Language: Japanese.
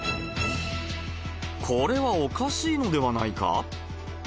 これはおかしいのではないか。